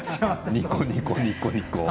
ニコニコ、ニコニコ。